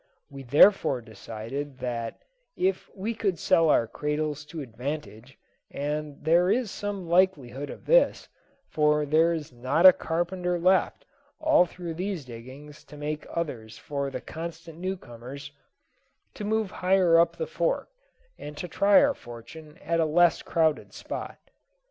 We therefore decided that, if we could sell our cradles to advantage and there is some likelihood of this, for there is not a carpenter left all through these diggings to make others for the constant new comers to move higher up the Fork, and try our fortune at a less crowded spot.